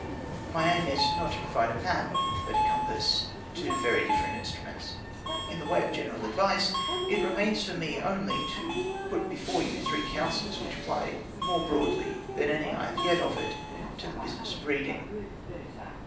My aim is not to provide a map, but a compass two very different instruments. In the way of general advice it remains for me only to put before you three counsels which apply more broadly than any I have yet offered to the business of reading.